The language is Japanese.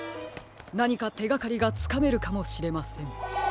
なにかてがかりがつかめるかもしれません。